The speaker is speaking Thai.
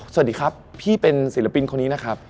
สวัสดีครับพี่เป็นศิลปินคนนี้นะครับ